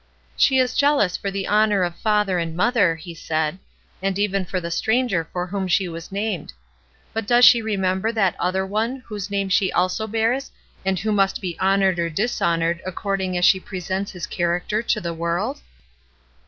"She is jealous for the honor of father and mother," he said. "And even for the stranger for whom she was named; but does she re member that other One whose name she also bears and who must be honored or dishonored according as she presents His character to the world?"